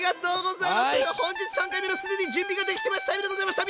本日３回目の「すでに準備ができてますタイム」でございました！